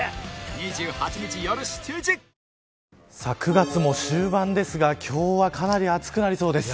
９月も終盤ですが今日はかなり暑くなりそうです。